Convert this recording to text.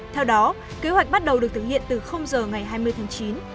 theo đó kế hoạch bắt đầu được thực hiện từ giờ ngày hai mươi tháng chín